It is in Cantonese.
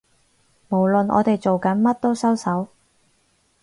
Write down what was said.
無論我哋做緊乜都收手